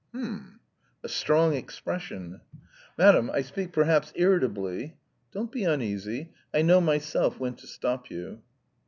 "H'm! A strong expression!" "Madam, I speak perhaps irritably...." "Don't be uneasy. I know myself when to stop you."